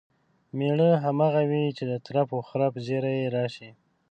مېړه همغه وي چې د ترپ و خرپ زیري یې راشي.